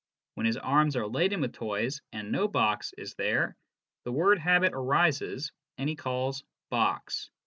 When his arms are laden with toys and no box is there, the word habit arises and he calls 'box.'"